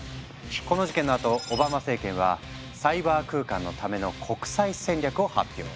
この事件のあとオバマ政権は「サイバー空間のための国際戦略」を発表。